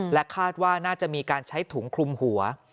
คาดว่าน่าจะมีการใช้ถุงคลุมหัว